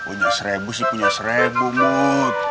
punya serebu sih punya serebu mut